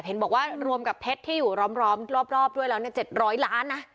เห็นบอกว่ารวมกับเพชรที่อยู่ร้อมรอบด้วยแล้ว๗๐๐ล้านนะ